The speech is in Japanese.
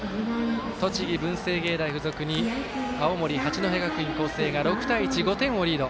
栃木、文星芸大付属に青森、八戸学院光星が６対１、５点をリード。